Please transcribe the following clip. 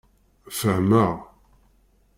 Fehmeɣ.